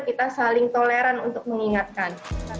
kita saling toleran untuk mengingatkan